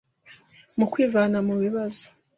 mu kwivana mu bibazo